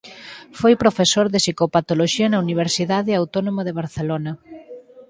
Foi profesor de psicopatoloxía na Universidade Autónoma de Barcelona.